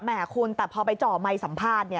คุณแต่พอไปจ่อไมค์สัมภาษณ์